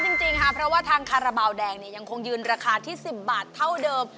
จริงค่ะเพราะว่าทางคาราบาลแดงเนี่ยยังคงยืนราคาที่๑๐บาทเท่าเดิม